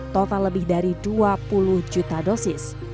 total lebih dari dua puluh juta dosis